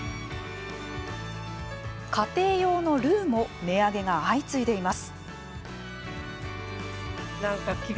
家庭用のルーも値上げが相次いでいます。